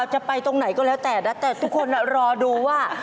จะไปตรงไหนก็แล้วแต่นะแต่ทุกคนรอดูว่า